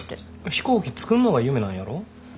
飛行機作んのが夢なんやろ？